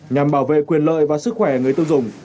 nhằm bảo vệ quyền lợi và sức khỏe người tiêu dùng